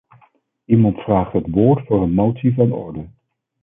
Iemand vraagt het woord voor een motie van orde.